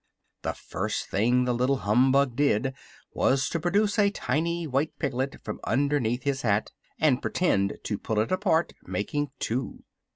The first thing the little humbug did was to produce a tiny white piglet from underneath his hat and pretend to pull it apart, making two.